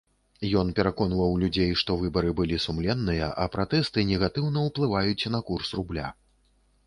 Ён пераконваў людзей, што выбары былі сумленныя, а пратэсты негатыўна ўплываюць на курс рубля.